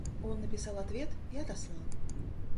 Он написал ответ и отослал.